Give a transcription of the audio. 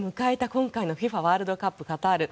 今回のＦＩＦＡワールドカップカタール。